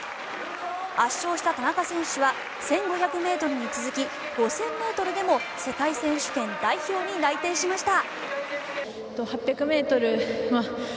圧勝した田中選手は１５００ｍに続き５０００ｍでも世界選手権代表に内定しました。